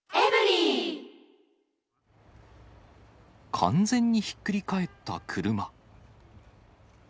完全にひっくり返った車。